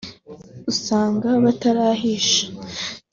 ugasanga batarahisha